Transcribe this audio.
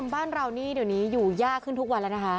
บ้านเรานี่เดี๋ยวนี้อยู่ยากขึ้นทุกวันแล้วนะคะ